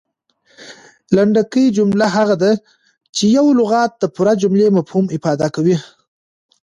لنډکۍ جمله هغه ده، چي یو لغت د پوره جملې مفهوم افاده کوي.